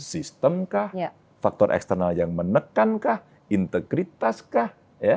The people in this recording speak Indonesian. sistem kah faktor eksternal yang menekankah integritaskah